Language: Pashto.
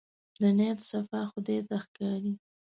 د نيت صفا خدای ته ښکاري.